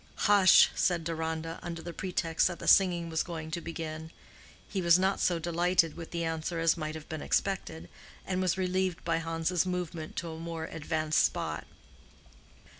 "Hush," said Deronda, under the pretext that the singing was going to begin. He was not so delighted with the answer as might have been expected, and was relieved by Hans's movement to a more advanced spot.